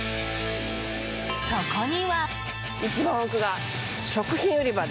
そこには。